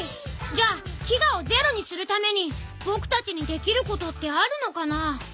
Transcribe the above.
じゃあきがをゼロにするためにぼくたちにできることってあるのかな？